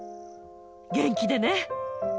元気でね。